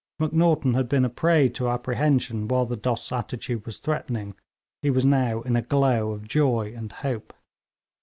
Macnaghten had been a prey to apprehension while the Dost's attitude was threatening; he was now in a glow of joy and hope.